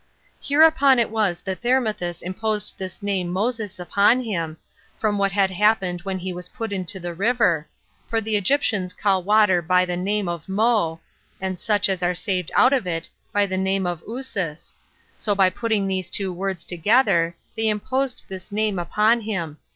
6. Hereupon it was that Thermuthis imposed this name Mouses upon him, from what had happened when he was put into the river; for the Egyptians call water by the name of Mo, and such as are saved out of it, by the name of Uses: so by putting these two words together, they imposed this name upon him.